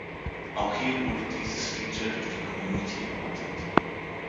Auch hier wurde dieses Feature durch die Community erweitert.